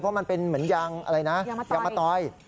เพราะมันเป็นเหมือนอย่างอย่างมะตอย